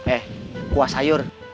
eh kuah sayur